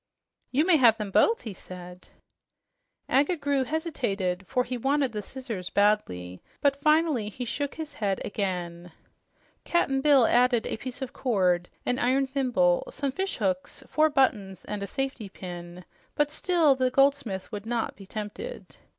"You may have them both," he said. Agga Groo hesitated, for he wanted the scissors badly, but finally he shook his head again. Cap'n Bill added a piece of cord, an iron thimble, some fishhooks, four buttons and a safety pin, but still the goldsmith would not be tempted.